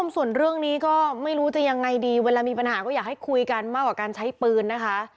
ส่วนเรื่องนี้ก็ไม่รู้จะยังไงดีเวลามีปัญหาก็อยากให้คุยกันมากกว่าการใช้ปืนนะคะ